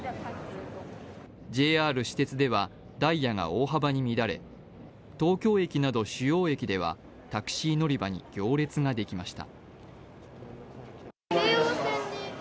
ＪＲ、私鉄ではダイヤが大幅に乱れ東京駅など主要駅ではタクシー乗り場に行列ができました。